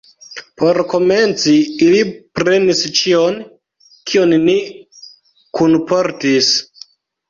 Por komenci, ili prenis ĉion, kion ni kunportis.